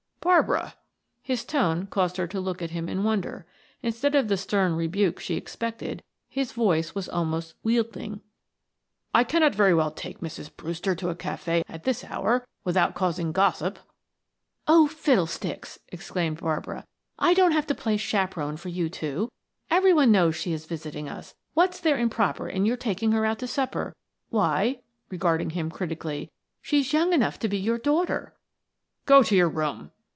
"Barbara!" His tone caused her to look at him in wonder; instead of the stern rebuke she expected, his voice was almost wheedling. "I cannot very well take Mrs. Brewster to a cafe at this hour without causing gossip." "Oh, fiddle sticks!" exclaimed Barbara. "I don't have to play chaperon for you two. Every one knows she is visiting us; what's there improper in your taking her out to supper? Why" regarding him critically "she's young enough to be your daughter!" "Go to your room!"